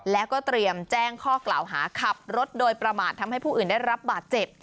แล้วก็เตรียมแจ้งข้อกล่าวหาขับรถโดยประมาททำให้ผู้อื่นได้รับบาดเจ็บ